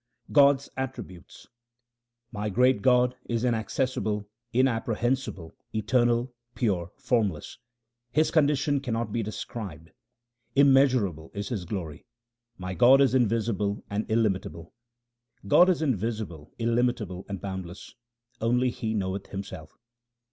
God's attributes :— My great God is inaccessible, inapprehensible, eternal, pure, formless. His condition cannot be described ; immeasurable is His glory ; my God is invisible and illimitable : God is invisible, illimitable and boundless ; only He knoweth Himself.